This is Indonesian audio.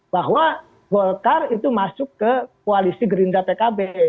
bahwa golkar itu masuk ke koalisi gerindra pkb